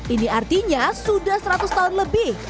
ini artinya sudah seratus tahun lebih